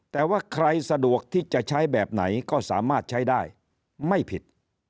แต่ว่าใครสะดวกที่จะใช้แบบไหนก็สามารถใช้ได้ไม่ผิด